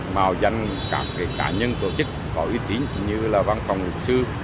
màu danh các cá nhân tổ chức có ý tính như là văn phòng luật sư